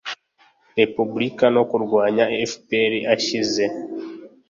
Repubulika no kurwanya FPR ashyize